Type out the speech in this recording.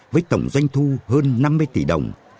với tổng doanh thu hơn năm mươi tỷ đồng